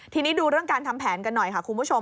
ทีนี้ดูเรื่องการทำแผนกันหน่อยค่ะคุณผู้ชม